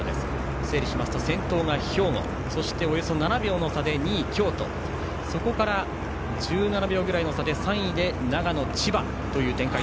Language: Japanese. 整理しますと先頭が兵庫およそ７秒の差で２位、京都１７秒ぐらいの差で、３位で長野、千葉という展開。